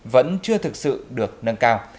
vẫn chưa thực sự được nâng cao